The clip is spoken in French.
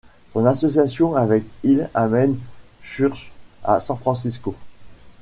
Son association avec Heil amène Suhr à San Francisco.